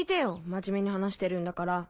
真面目に話してるんだから。